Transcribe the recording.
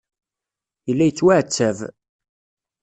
Yella yettwaɛettab.